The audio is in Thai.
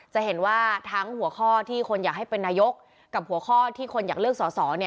จะเห็นว่าทั้งหัวข้อที่คนอยากให้เป็นนายกกับหัวข้อที่คนอยากเลือกสอสอ